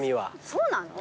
そうなの？